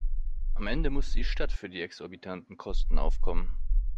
Am Ende muss die Stadt für die exorbitanten Kosten aufkommen.